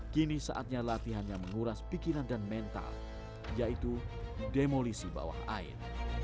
kini saatnya latihannya menguras pikiran dan mental yaitu demolisi bawah air